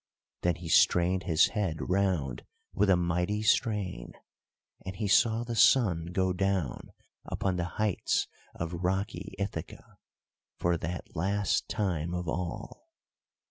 Then he strained his head round with a mighty strain, and he saw the sun go down upon the heights of rocky Ithaca, for that last time of all.